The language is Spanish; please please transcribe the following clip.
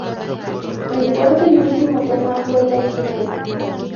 El cuarto y último tema fue Lady Go!.